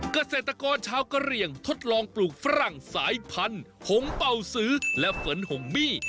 เกษตรกรชาวกะเหลี่ยงทดลองปลูกฝรั่งสายพันธุ์หงเป่าสือและฝนหงมี่